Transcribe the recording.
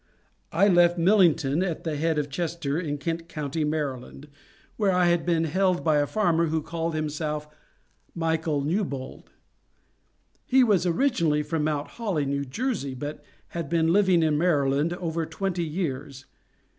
"I left Millington, at the head of Chester in Kent County, Maryland, where I had been held by a farmer who called himself Michael Newbold. He was originally from Mount Holly, New Jersey, but had been living in Maryland over twenty years.